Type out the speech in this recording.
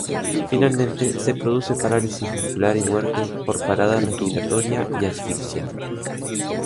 Finalmente se produce parálisis muscular y muerte por parada respiratoria y asfixia.